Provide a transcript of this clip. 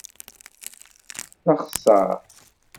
D axeṣṣar!